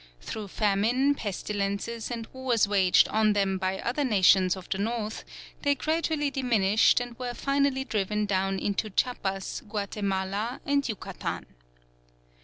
Through famine, pestilences, and wars waged on them by other nations of the north they gradually diminished and were finally driven down into Chiapas, Guatemala, and Yucatan.